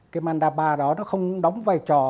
cái mandapa đó nó không đóng vai trò